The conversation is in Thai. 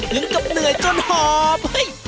ถึงกับเหนื่อยจนหอม